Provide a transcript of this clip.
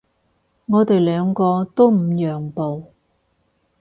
我哋兩個都唔讓步